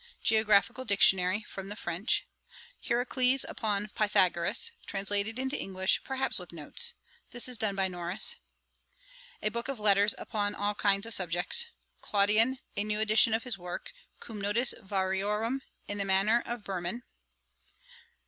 'Geographical Dictionary, from the French. 'Hierocles upon Pythagoras, translated into English, perhaps with notes. This is done by Norris. 'A book of Letters, upon all kinds of subjects. 'Claudian, a new edition of his works, cum notis variorum, in the manner of Burman.